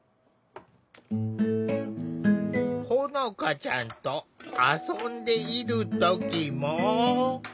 ほのかちゃんと遊んでいる時も。